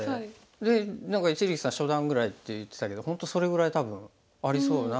で何か一力さん初段ぐらいって言ってたけど本当それぐらい多分ありそうな。